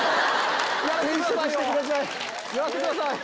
やらせてくださいよ！